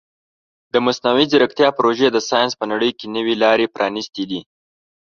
د مصنوعي ځیرکتیا پروژې د ساینس په نړۍ کې نوې لارې پرانیستې دي.